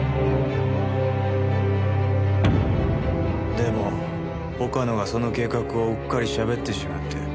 でも岡野がその計画をうっかり喋ってしまって。